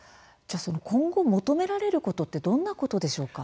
今後、求められることってどういうことでしょうか。